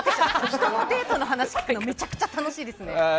人のデートの話を聞くのめちゃくちゃ楽しいですね。